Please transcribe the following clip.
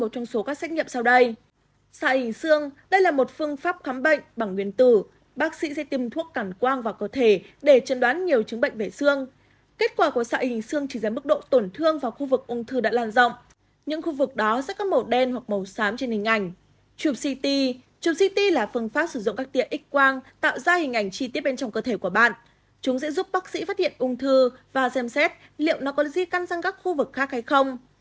chúng sẽ giúp bác sĩ phát hiện ung thư và xem xét liệu nó có di căn gác khu vực khác hay không